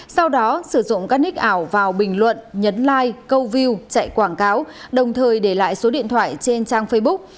sau đó sử dụng các nick ảo vào bình luận nhấn like câu view chạy quảng cáo đồng thời để lại số điện thoại trên trang facebook